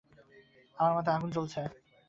আমার মাথায় আগুন জ্বলছে।